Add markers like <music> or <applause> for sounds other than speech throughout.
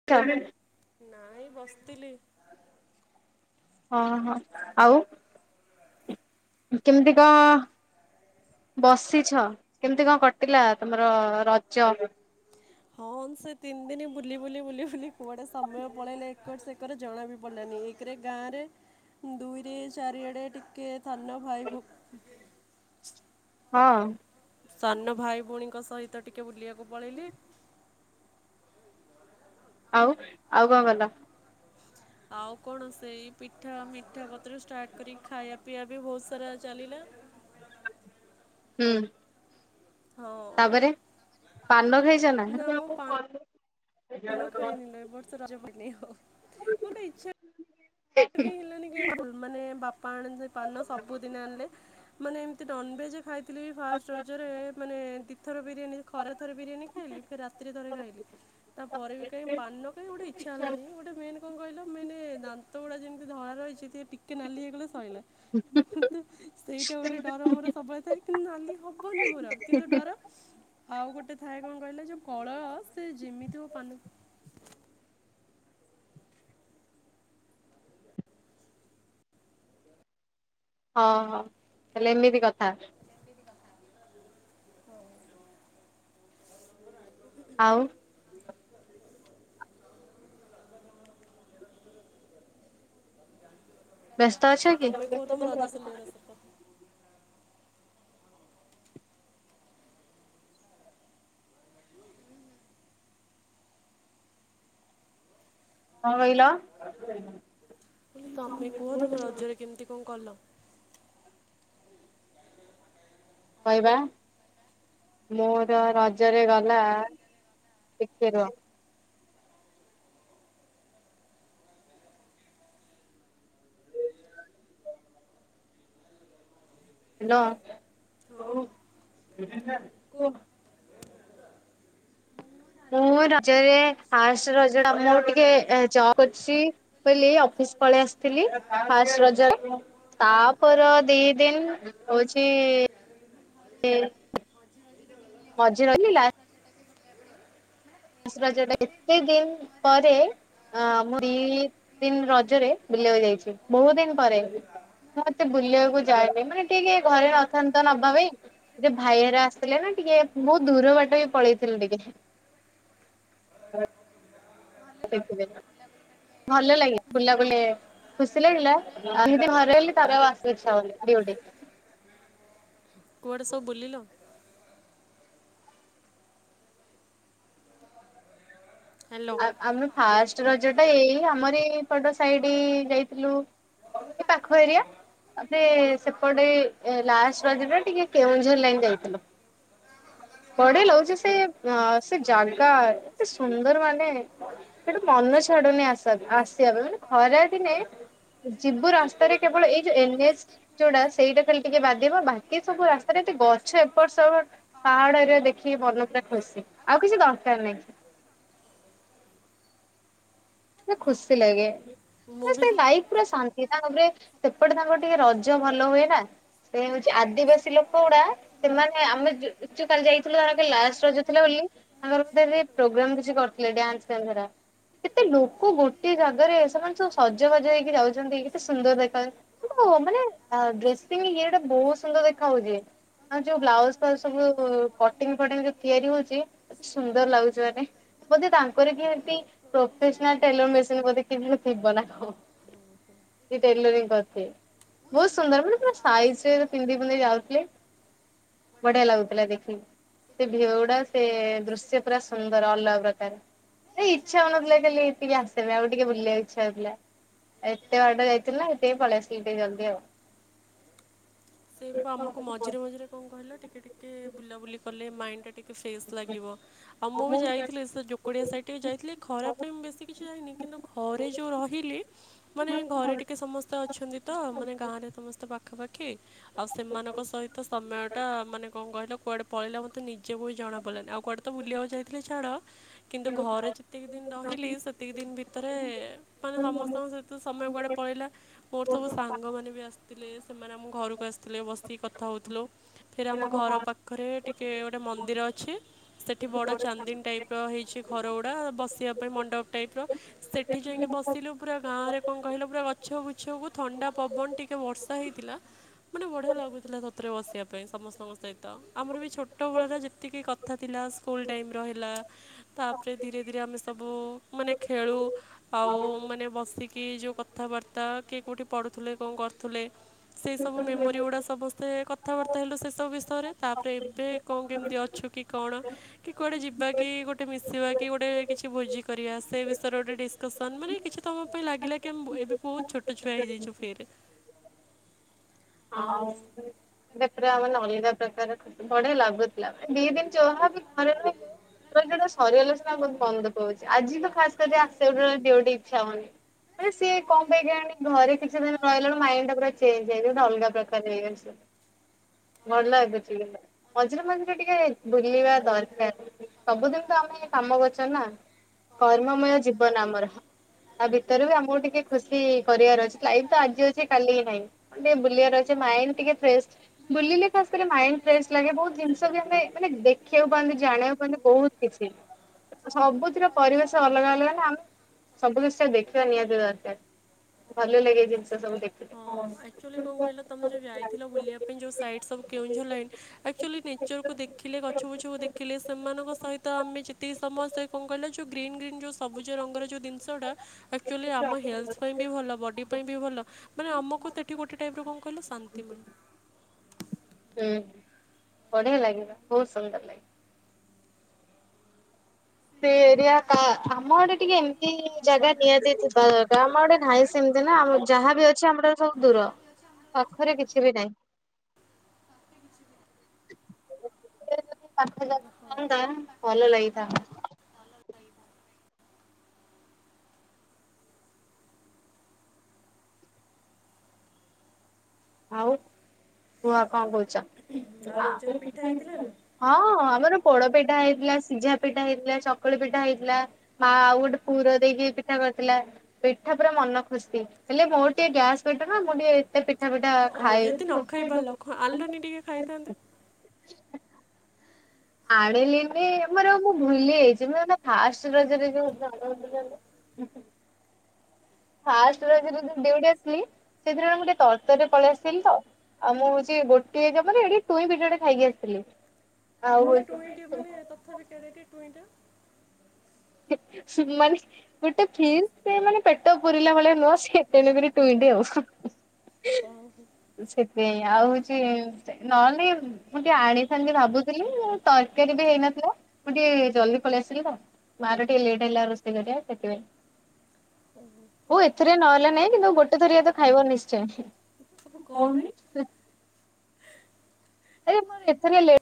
<unintelligible> ନାଇଁ ବସଥିଲି। ଅହଁ। ଆଉ କେମିତି କ ବସିଛ। କେମତି କଣ କଟିଲା ତମର ରଜ? ହଁ ସେ ତିନି ଦିନ ବୁଲି ବୁଲି ବୁଲି ବୁଲି କୁଆଡ଼େ ସମୟ ପଳେଇଲା ଏକର ସେକର ଜଣା ବି ପଡ଼ିଲାନି। ଏକରେ ଗାଁ ରେ ଦୁଇରେ ଚାରିଆଡ଼େ ଟିକେ ଥାନ ଭାଇ ଭୋ ହଁ। ସାନ ଭାଇଭଉଣୀଙ୍କ ସହିତ ଟିକେ ବୁଲିବାକୁ ପଳେଇଲି। ଆଉ ଆଉ କଣ କଲ? ଆଉ କଣ ସେଇ ପିଠା ମିଠା କତୁରୁ ଷ୍ଟାର୍ଟ କରିକି ଖାଇବା ପିଇବା ବି ବୋହୁତ ସାରା ଚଲିଲା। ହୁଁ। ତାପରେ ପାନ ଖାଇଚ ନା? ପାନ ଖାଇନି ନା ଏବର୍ଷ ରଜ ଭିନି ହୋଉ ମୋତେ ଇଚ୍ଛା ବି ହେଲାନି କେ ଭୁଲ ମାନେ ବାପା ଆଣିଥିବେ ପାନ ସବୁଦିନ ଆଣିଲେ ମାନେ ଏତେ ନନଭେଜେ ଖାଇ ଥିଲି ଫାଷ୍ଟ ରଜରେ ମାନେ ଦିଇଥର ବିରିୟାନୀ ଖରେ ଥରେ ବିରିୟାନୀ ଖାଇଲି ଫେର୍ ରାତିରେ ଥରେ ଖାଇଲି। ତାପରେ ବି କାଇଁ ପାନ କାଇଁ ଗୋଟେ ଇଚ୍ଛା ହେଲାନି ଗୋଟେ ମେନ୍ କଣ କହିଲ ମାନେ ଦାନ୍ତ ଗୁଡ଼ା ଯେମିତି ଧଳା ରହିଚି ସିଏ ଟିକେ ନାଲି ହେଇଗଲେ ସଇଲା। ହୁଁ ହୁଁ। କିନ୍ତୁ ସେଇଟା ଗୋଟେ ଡର ମୋର ସବୁବେଳେ ଥାଏ କିନ୍ତୁ ନାଲି ହବନି ମୋର କିନ୍ତୁ ଡର। ଆଉ ଗୋଟେ ଥାଏ କଣ କହିଲେ ଯୋଉ କଳ ସେ ଯେମିତି ହୋଉ ପାନ ହଁ ହଁ ତାଲେ ଏମିତି କଥା। ହୋଉ। ଆଉ ବ୍ୟସ୍ତ ଅଛ କି? କଁ କହିଲ? ମୁଁ କହିଲି ତମେ କୁହ ତମ ରଜରେ କେମିତି କଣ କଲ? କହିବା ମୋର ରଜରେ ଗଲା ଟିକେ ରୁହ। ହ୍ୟାଲୋ, ହଁ କୁହ। ମୁଁ ରଜରେ ଫାଷ୍ଟ ରଜରେ ମୁଁ ଟିକେ ଜ କରିଛି। ମୁଁ କହିଲି ଅଫିସ ପଳେଇ ଆସିଥିଲି ଫାଷ୍ଟ ରଜରେ। ତାପର ଦି ଦିନ ହଉଛି ମଝି ରହିଲି ଲାଷ୍ଟ ଲାଷ୍ଟ ରଜ ଟା ଏତେ ଦିନ ପରେ ଅ ମୁଁ ଦି ଦିନ ରଜରେ ବୁଲିବାକୁ ଯାଇଛି ବହୁତ ଦିନ ପରେ। ମଁ ଏତେ ବୁଲିବାକୁ ଯାଏନି ମାନେ ଟିକେ ଘରେ ନଥାନ୍ତି ତ ନବା ପାଇଁ। ଯେ ଭାଇଏରା ଆସିଥିଲେ ନା ଟିକେ ବହୁତ ଦୂର ବାଟ ବି ପଳେଇଥିଲୁ ଟିକେ। <inaudible> ଭଲ ଲାଗେ ବୁଲା ବୁଲି ଖୁସି ଲାଗିଲା ଦି ଦିନ ଘରେ ରହିଲେ, ତାପରେ ଆଉ ଆସିବାକୁ ଇଛା ହୋଉନି ଡିଉଟି। କୁଆଡ଼େ ସବୁ ବୁଲିଲ? ହ୍ୟାଲୋ। ଆମେ ଫାଷ୍ଟ ରଜ ଟା ଏଇ ଆମର ଏଇପଟ ସାଇଡ ଯାଇଥିଲୁ ପାଖ ଏରିଆ ତାପରେ ସେପଟେ ଲାଷ୍ଟ ରଜରେ ଟିକେ କେଉଁଝର ଲାଇନ୍ ଯାଇଥିଲୁ। ପଢ଼ିଲୁ ଯେ ଅ ସେ ଅ ସେ ଜାଗା ଏତେ ସୁନ୍ଦର ମାନେ ନ ସେଠୁ ମନ ଛାଡୁନି ଆସ ଆସିବା ପାଇଁ ମାନେ ଖରା ଦିନେ ଯିବୁ ରାସ୍ତାରେ କେବଳ ଏଇ ଯୋଉ ଏନ୍ ଏଚ ଯୋଉଟା ସେଇଟା ଖାଲି ଟିକେ ବାଧିବ ବାକି ସବୁ ରାସ୍ତାରେ ଯୋଉ ଗଛ ଏପଟ ସେପଟ ପାହାଡ଼ ଏରିଆ ଦେଖିକି ମନ ପୁରା ଖୁସି ଆଉ କିଛି ଦରକାର ନାହିଁ। କି ଖୁସି ଲାଗେ ସେ ଲାଇ ପୁରା ଶାନ୍ତି ତାପରେ ସେପଟେ ତାଙ୍କର ଟିକେ ରଜ ଭଲ ହୁଏ ନା। ସେ ହଉଛି ଆଦିବାସୀ ଲୋକ ଗୁଡ଼ା ସେମାନେ ଆମେ ଯୋଉ କାଲି ଯାଇଥିଲୁ ତାଙ୍କର୍ କାଲି ଲାଷ୍ଟ ରଜ ଥିଲା ବୋଲି ତାଙ୍କର ପ୍ରୋଗ୍ରାମ କିଛି କରିଥିଲେ ଡାନ୍ସ ଫାନ୍ସ ହେରା। ଏତେ ଲୋକ ଗୋଟେ ଜାଗାରେ ସେମାନେ ସବୁ ସଜବାଜ ହେଇକି ଯାଉଛନ୍ତି କେତେ ସୁନ୍ଦର ଦେଖ ମାନେ ଡ୍ରେସିଂ ଇଏଟା ବହୁତ ସୁନ୍ଦର ଦେଖା ହଉଚି। ଆଉ ଯୋଉ ବ୍ଲାଉଜ ଫ୍ଲାଉଜ ସବୁ କଟିଙ୍ଗ ଫଟିଙ୍ଗରେ ତିଆରି ହଉଚି ସୁନ୍ଦର ଲାଗୁଛି ମାନେ, ବୋଧେ ତାଙ୍କର କିଏ ହେତି ପ୍ରଫେସନାଲ ଟେଲର ମେସିନ୍ ବୋଧେ କିଏ ଜଣେ ଥିବ ନା କ। ହୁଁ ହୁଁ। ଯିଏ ଟେଲରିଂ କରୁଥିବେ। ବହୁତ ସୁନ୍ଦର ମାନେ ପୁରା ସାଇଜ୍ ରେ ପିନ୍ଧି ପୁନ୍ଧା କି ଯାଉଥିଲେ। ବଢିଆ ଲାଗୁଥିଲା ଦେଖିକି। ସେ ଭିଉ ଗୁଡା ସେ ଦୃଶ୍ୟ ପୁରା ସୁନ୍ଦର ଅଲଗା ପ୍ରକାର ଏଇ ଇଛା ହଉନଥିଲା ଖାଲି ଏଟିକି ଆସିଆ ପାଇଁ, ଆଉ ଟିକେ ବୁଲିଆକୁ ଇଚ୍ଛା ହେଉଥିଲା। ଏତେ ବାଟ ଯାଇଥିଲି ନା ସେଥିପାଇଁ ପଳେଇ ଆସିଲି ଟିକେ ଜଲ୍ଦି ଆଉ। ସେଇ ବା ଆମକୁ ମଝିରେ ମଝିରେ କଣ କହିଲ ଟିକେ ଟିକେ ବୁଲାବୁଲି କଲେ ମାଇଣ୍ଡ ଟା ଟିକେ ଫେସ୍ ଲାଗିବ, ଆଉ ମୁଁ ବି ଯାଇଥିଲି ସେ ଯୋକଡିଆ ସାଇଟ ଟିକେ ଯାଇଥିଲି, ଖରା ପାଇଁ ମୁଁ ବେଶୀ କିଛି ଯାଇନି କିନ୍ତୁ ଘରେ ଯୋଉ ରହିଲି ମାନେ ଘରେ ଟିକେ ସମସ୍ତେ ଅଛନ୍ତି, ତ ମାନେ ଗାଁରେ ସମସ୍ତେ ପାଖାପାଖି ଆଉ ସେମାନଙ୍କ ସହିତ ସମୟ ଟା ମାନେ କଣ କହିଲ କୁଆଡେ ପଳେଇଲା ମୋତେ ନିଜକୁ ବି ଜଣା ପଇଲାନି ଆଉ କୁଆଡ଼େ ତ ବୁଲିବାକୁ ଯାଇଥିଲି ଛାଡ଼ କିନ୍ତୁ ଘରେ ଯେତିକି ଦିନ ରହିଲି। ସେ ଏତିକି ଦିନ ଭିତରେ ମାନେ ସମସ୍ତଙ୍କ ସହିତ ସମୟ କୁଆଡେ ପଳେଇଲା। ମୋର ତ ମୋ ସାଙ୍ଗମାନେ ବି ଆସିଥିଲେ ସେମାନେ ଆମ ଘରକୁ ଆସିଥିଲେ ବସିକି କଥା ହୋଉଥିଲୁ। ଫେର୍ ଆମ ଘର ପାଖରେ ଟିକେ ଗୋଟେ ମନ୍ଦିର ଅଛି ସେଠି ବଡ ଚାନ୍ଦିନୀ ଟାଇପ୍। ର ହେଇଛି ଖରଗୁଡ଼ା ବସିବା ପାଇଁ ମଣ୍ଡପ ଟାଇପ୍ର ସେଠି ଯାଇକି ବସିଲୁ ପୁରା ଗାଁରେ କଣ କହିଲ ପୁରା ଗଛ ବୁଛକୁ ଥଣ୍ଡା ପବନ ଟିକେ ବର୍ଷା ହେଇଥିଲା। ମାନେ ବଢିଆ ଲାଗୁଥିଲା ସତରେ ବସିବା ପାଇଁ ସମସ୍ତଙ୍କ ସହି ତ ଆମର ବି ଛୋଟବେଳର ଯେତିକି କଥା ଥିଲା ସ୍କୁଲ୍ ଟାଇମ ରହିଲା। ତାପରେ ଧୀରେ ଧୀରେ ଆମେ ସବୁ ମାନେ ଖେଳୁ। ଆଉ ମାନେ ବସିକି ଯୋଉ କଥାବାର୍ତ୍ତା କିଏ କୋଉଠି ପଢୁଥିଲେ କଣ କରୁଥିଲେ। ତମ ମେମୋରି ଗୁଡା ସବ କଥାବାର୍ତ୍ତା ହେଲୁ ସେସବୁ ବିଷୟରେ। ତାପରେ ଏବେ କଣ କେମିତି ଅଛୁ କି କଣ। କି କୁଆଡେ ଯିବା କି ଗୋଟେ ମିଶିବା କି ଗୋଟେ କିଛି ଭୋଜି କରିବା ସେ ବିଷୟରେ ଗୋଟେ ଡିସ୍। କସନ କିଛି ତମ ପାଇଁ ଲାଗିଲା କି ଆମ୍ ଏବେ ବହୁତ ଛୋଟ ଛୁଆ ହେଇଯାଇଛ ଫେରେ ହଁ। ପୁରା ମାନେ ଅଲଗା ପ୍ରକାର ବଢିଆ ଲାଗୁଥିଲା। <unintelligible> ମାନେ ଯୋଉଟା ସରିଗଲେ ସିନା ବହୁତ ମନ୍ ଦୁଃଖ ହୋଉଛି। ଆଜି ତ ଖାସ୍ କରି ଆସିବାକୁ ଟୋଟାଲ ଡ୍ୟୁଟି ଇଚ୍ଛା ହଉନି। ମାନେ ସିଏ କଣ ପାଇଁ କେଜାଣି ଘରେ କିଛି ଦିନ ରହିଲା ବେଳକୁ ମାଇଣ୍ଡ ଟା ପୁରା ଚେଞ୍ଜ ହେଇଯ ଅଲଗା ପ୍ରକାର ହେଇଯାଇଚି ସିଏ। ଭଲ <unintelligible> ମଝିରେ ମଝିରେ ଟିକେ ବୁଲିବା ଦରକାର। ସବୁଦିନ ତ ଆମେ କାମ କରୁଚନ୍ତି ନା। କର୍ମମୟ ଜୀବନ ଆମର। ତା ଭିତରେ ବି ଆମକୁ ଟିକେ ଖୁସି କରିବାର ଅଛି। ଲାଇଫ ତ ଆଜି ଅଛି କାଲି କି ନାହିଁ ଟିକେ ବୁଲିବାର ଅଛି ମାଇଣ୍ଡ ଟିକେ ଫ୍ରେସ୍। ବୁଲିଲେ ଖାସ୍ କରି ମାଇଣ୍ଡ ଫ୍ରେଶ ଲାଗେ ବହୁତ ଜିନିଷ ବି ଆମେ ମାନେ ଦେଖିବାକୁ ପାଆନ୍ତି ଜାଣିବାକୁ ପାଆନ୍ତି ବହୁତ କିଛି ସବୁଥିରେ ପରିବେଶ ଅଲଗା ଅଲଗା ନାଁ ଆମେ ସବୁ ଜିନିଷ ଦେଖିବା ନିହାତି ଦରକାର। ଭଲ ଲାଗେ ଜିନିଷ ସବୁ ଦେଖ। ହଁ ଆକ୍ଚୁଆଲି କଣ କହିଲ ତମେ ଯୋଉ ଯାଇଥିଲ ବୁଲିବା ପାଇଁ ଯୋଉ ସାଇଟ୍ ସବୁ କେଉଁଝର ଲାଇନ୍ ଆକ୍ଚୁଆଲି ନେଚରକୁ ଦେଖିଲେ ଗଛ ପଛକୁ ଦେଖିଲେ ସେମାନଙ୍କ ସହିତ ଆମେ ଯେତିକି ସମସ୍ତେ କଣ କହିଲ ଯୋଉ ଗ୍ରୀନ୍ ଗ୍ରୀନ୍ ଯୋଉ ସବୁଜ ରଙ୍ଗର ଯେଉଁ ଜିନିଷଟା ଆକଚୁଆଲି ଆମ ହେଲ୍ଥ ପାଇଁ ବି ଭଲ ବଡି ପାଇଁ ବି ଭଲ। ମାନେ ଆମକୁ ତଏଠି ଗୋଟେ ଟାଇପର କଣ କହିଲେ ଶାନ୍ତି ମିଳେ। ହୁଁ ହ ବଢିଆ ଲାଗିଲା ବହୁତ ସୁନ୍ଦର ସେ ଏରିଆ କା ଆମ ଗୋଟେ ଟିକେ ଏମିତି ଜାଗା ନିଆଯାଇଥିବା ଜାଗ ଆମ ଗୋଟେ ନାହିଁ ସେମିତି ନା ଆମ ଯାହାବି ଅଛି ଆମର ସବୁ ଦୂର ପାଖରେ କିଛି ବି ନାହିଁ। ଯ ପାଖ ଯାାଗ ଥାନ୍ତା ଭଲ ଲାଗିଥାନ୍ତା। ଆଉ କୁହ କଣ କହୁଛ <unintelligible> ହଁ ଆମର ପୋଡ ପିଠା ହେଇଥିଲା ସିଝା ପିଠା ହେଇଥିଲା ଚକୁଳି ପିଠା ହେଇଥିଲା। ମା ଆଉ ଗୋଟେ ପୁର ଦେଇକି ପିଠା କରିଥିଲା। ପିଠା ପୁରା ମନ ଖୁସି ହେଲେ ମୋର ଟିକେ ଗ୍ୟାସ୍ ପିଟନା ମୁଁ ଟିକେ ଏତେ ପି ଠା ପିଟା ଖାଇବେ ଆଲଦାନୀ ଟିକେ ଖାଇଥାନ୍ତେ ଆଣିଲିନି ମୋରଉ ମୁଁ ଭୁଲି ଯାଇଛି ମୁଁ ଫାଷ୍ଟ ରଜରେ ଯଉ ହୁଁ ଫାଷ୍ଟ ରଜ ଦିନ ଡ୍ୟୁଟି ଆସିଲି ସେଥିରେବେଳେ ମୁଁ ଟିକେ ତରତରରେ ପଳେଇ ଆସିଲି ତ ଆଉ ମୁଁ ହଉଛି ଗୋଟିଏ ମାନ ଏଠି ଟୁଇଁ ପିଠଟେ ଖାଇକି ଆସିଥିଲି ଆଉ ହ <unintelligible> ତଥାପି କେଣେ ଟୁଇଣ୍ଟ ସ ମାନେ ଗୋଟେ ଫିସ୍ ସେ ମାନେ ପେଟ ପୁୁରିଲା ଭଳିଆ ନୁହ ସି ତେଣୁ କରିରି ଟୁଇଣ୍ଡି ଆଉ ଓହ ସେଥିପାଇଁ ଆଉ ହଉଛି ନହନେ ମୁଁ ଟିକେ ଆଣିଥାନ୍ତିି ଭାବୁଥିଲି ତରକାରୀ ବି ହେଇନଥିଲା। ମୁଁ ଟିକେ ଜଲ୍ଦି ପଳେଇ ଆସିଲି ତ। ବାରଟିଏ ଲେଟ ହେଲା ରୋଷେଇ କରିବା ସେଥିପାଇଁ ଓ ହୋ ହ ଏଥିରେ ନହଲେ ନାଇଁ କିନ୍ତୁ ଗୋଟେ ଥରିଆ ତ ଖାଇବ ନିଶ୍ଚୟ ଏ ମୋର ଏଥିରେ ଲେ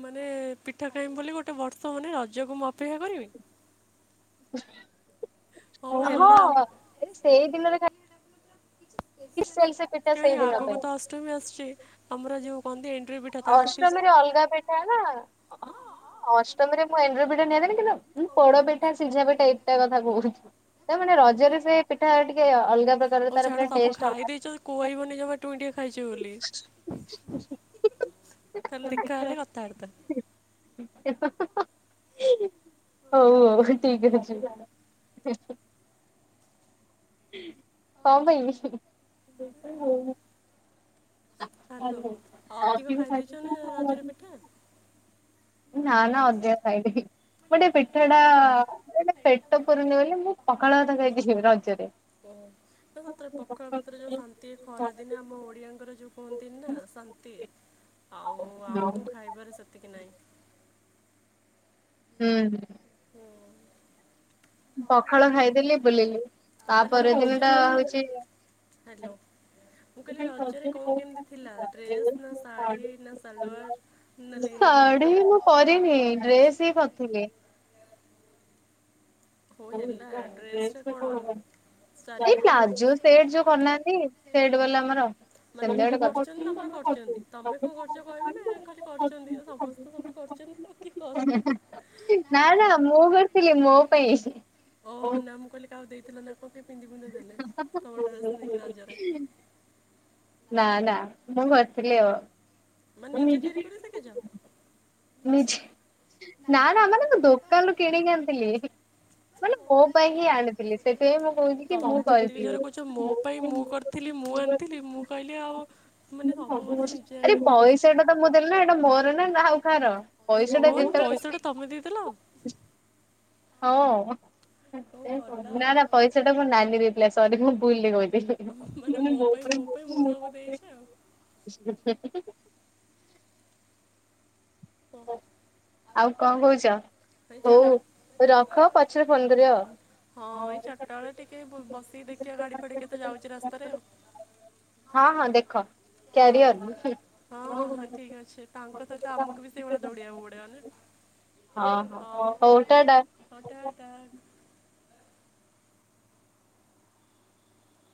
ମାନେ ପିଠା ଖାଇମି ବୋଲି ଗୋଟେ ବର୍ଷ ମାନେ ରଜକୁ ମୁଁ ଅପେକ୍ଷା କରିବି? ହ ହଁ ଆ ସେଇ ଦିନରେ ଖାଇ କିସ <unintelligible> କଁ ଆଗକୁ ତ ଅଷ୍ଟମୀ ଆସୁଛି ତମର ଯୋଉ କହନ୍ତି ଏଣ୍ଟ୍ରି ପି ଅଷ୍ଟମୀରେ ଅଲଗା ପିଠା ନା ଅଷ୍ଟମୀରେ ମୁଁ ଏଣ୍ଡୁରି ପିଠା ନିଆ ଦେ କିନ୍ତୁ ମୁଁ ପୋଡପିଠା ସିଝା ପେଠା ଏଇଟା କଥା କହୁଛି। ତା ମାନେ ରଜରେ ସେ ପିଠା ଟିକେ ଅଲଗା ହଉ ଛାଡା ତାକୁ ଖାଇ ଦେଇେଛ ଯଦି କହିବନି ଜମା ଟୁଇଣ୍ଟିଏ ଖାଇଛ ବୋଲି। ତାହାଲେ ଦିଖାହେଲେ କଥାବାର୍ତ୍ତା। ହଉ ହଉ ଠିକ ଅଛି। କଣ ପାଇଁ? ହଲୋ <unintelligible> ନାନା ଅଜା ଖାଇବେ। ଗୋଟେ ପିଠା ଟା ଗୋଟେ ପେଟ ପୁରୁନି ବୋଲି ମୁଁ ପଖାଳ ଭାତ ଖାଇବି ରଜରେ <unintelligible> ସେତରେ ପଖାଳଭାତରେ ଯୋଉ ଶାନ୍ତି ଖରା ଦିନେ ଆମ ଓଡିଆଙ୍କର ଯୋଉ କୁହନ୍ତିନି ନା ଶାନ୍ତି ଆଉ ଆଉ କୋଉ ଖାଇବାରେ ସେତିକି ନାହିଁ। ହୁଁ ହୁଁ ପଖାଳ ଖାଇଦେଲି ବୁଲିଲି ତାପ ଦିନ ଟା ହଉଛି। ହ୍ୟାଲୋ। ମୁଁ କହିଲି ରଜରେ କଣ କେମିତି ଥିଲା ଡ୍ରେସ୍ ନା ଶାଢ଼ୀ ନା ସଲୱାର? ଶାଢୀ ମୁଁ କରିନି ଡ୍ରେସ ହିଁ କରିଥିଲି। ଏଇ ପ୍ଲାଜୋ ସେଟ ଯୋଉ କରିନାହାନ୍ତି। ସେଟ ବାଲେ ଆମର। ମାନେ ଯେ ଯାହା କରଛନ୍ତି ତମର କରୁଛନ୍ତି ତମେ କଣ କରିଛ କହିବ ନା ଖାଲି କରିଛନ୍ତି। ସମସ୍ତେ ସବୁ କରୁଛନ୍ତି ତ କି କଷ୍ଟ ନା ନା ମୁଁ କରିଥିଲି ମୋ ପାଇଁ। ଓହୋ ନା ମୁଁ କହିଲି କାହାକୁ ଦେଇଥିଲ ନା କଣ କେ ପିନ୍ଧି ପୁନ୍ଧା ଦେଲେ ତମ ଡ୍ରେସ ନେଇକି ରାଜରେ ନା ନା ମୁଁ ଘରେ ଥିଲି ଆଉ। ମାନେ ନିଜେ ତିଆରି କରି ଶିଖିଛ। ନିଜେ ନା ନା ଆମନକୁ ଦୋକାନରୁ କିଣିକି ଆଣିଥିଲି। ମାନେ ମୋ ପାଇଁ ହିଁ ଆଣିଥିଲି ସେଥିପାଇଁ ମୁଁ କହୁଛି କି ମୁଁ କରିଥିଲି। ଥିଲି ମୁଁ ଆଣିଥିଲି ମୁଁ କହିଲି ଆଉ ମାନେ ସବୁ ବୋଧେ ନିଜେ ଆଣିକି ନିଜେ ସେଇଟା ତ ମୁଁ ଦେଲି ନା ଏଇଟା ମୋର ନା ଆଉ କାହାର ହେ ଭଗବାନ ପଇସା ଟା ତମେ ଦେଇଥିଲ। <inaudible> ହଉ। ନା ନା ପଇସା ଟା ମୋ ନାନୀ ଦେଇଥିଲା ସରି ମୁଁ ଭୁଲରେ କହିଥିଲି। ମାନେ ମୋ ଉପରେ <unintelligible> <inaudible> ଆଉ କଣ କହୁଛ ହଉ ରଖ ପଛରେ ଫୋନ କରିବ ଆଉ। ଟିକେ ବସିକି ଦେଖିବା ଗାଡି ଫାଡି କେତେ ଯାଉଛି ରାସ୍ତାରେ ଆଉ। ହଁ ହଁ ଦେଖ କ୍ୟାରିଅନ। ହଁ ହଁ ହଁ ଠିକ ଅଛି ତାଙ୍କ ସହିତ ଆମକୁ ବି ସେଇଭଳିଆ ଦୌଡିବାକୁ ପଡିବ ନା। ହଁ ହଁ ହ ହଉ ଟା ଡା ହଉ ଟା ଟା।